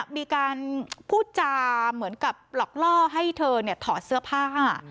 มีการพูดจาเหมือนกับหลอกล่อให้เธอถอดเสื้อผ้า